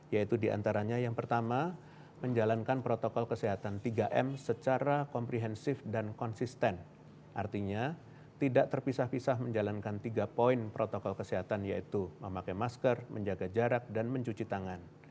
yang pertama pemeriksaan persyaratan